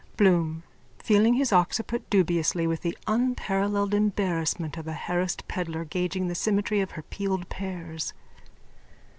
BLOOM: _(Feeling his occiput dubiously with the unparalleled embarrassment of a harassed pedlar gauging the symmetry of her peeled pears.)